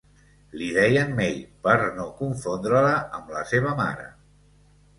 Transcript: Li deien "May" per no confondre-la amb la seva mare.